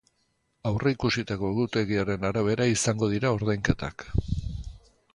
Aurreikusitako egutegiaren arabera izango dira ordainketak.